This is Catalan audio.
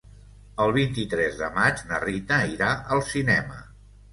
El vint-i-tres de maig na Rita irà al cinema.